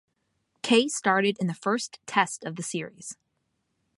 Kay started in the first Test of the series.